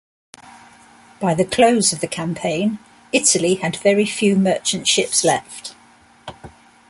By the close of the campaign, Italy had very few merchant ships left.